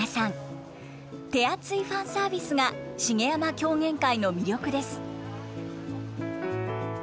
手厚いファンサービスが茂山狂言会の魅力です。